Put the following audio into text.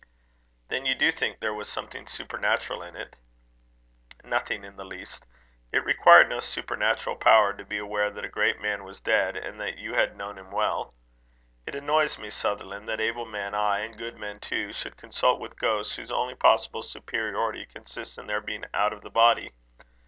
"Then you do think there was something supernatural in it?" "Nothing in the least. It required no supernatural powers to be aware that a great man was dead, and that you had known him well. It annoys me, Sutherland, that able men, ay, and good men too, should consult with ghosts whose only possible superiority consists in their being out of the body.